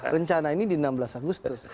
rencana ini di enam belas agustus